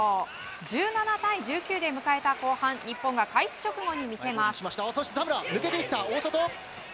１７対１９で迎えた後半日本が開始直後に見せます。